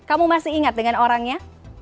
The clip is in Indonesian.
kamu masih ingat dengan orangnya